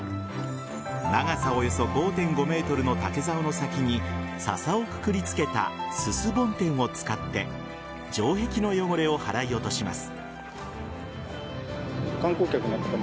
長さおよそ５．５ｍの竹ざおの先に笹をくくりつけたすす梵天を使って城壁の汚れを払い落とします。